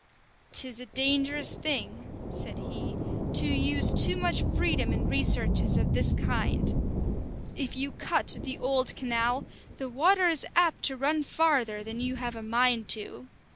"'Tis a dangerous thing," said he, "to use too much freedom in researches of this kind. If you cut the old canal, the water is apt to run farther than you have a mind to.